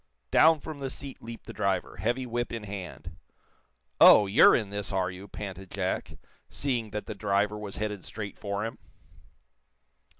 Down from the seat leaped the driver, heavy whip in hand. "Oh, you're in this, are you?" panted Jack, seeing that the driver was headed straight for him.